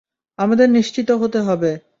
আমাদের নিশ্চিত হতে হবে।